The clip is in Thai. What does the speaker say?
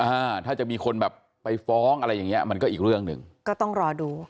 อ่าถ้าจะมีคนแบบไปฟ้องอะไรอย่างเงี้ยมันก็อีกเรื่องหนึ่งก็ต้องรอดู